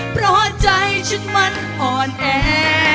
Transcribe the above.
เพราะใจฉันมันอ่อนแอ